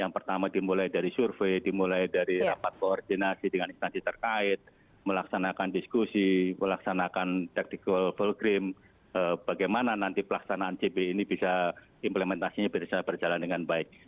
yang pertama dimulai dari survei dimulai dari rapat koordinasi dengan instansi terkait melaksanakan diskusi melaksanakan tactical full cream bagaimana nanti pelaksanaan cb ini bisa implementasinya bisa berjalan dengan baik